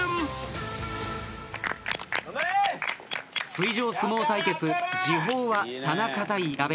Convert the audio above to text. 水上相撲対決次鋒は田中対阿部。